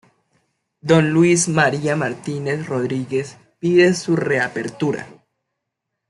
Don Luis María Martínez Rodríguez, pide su reapertura.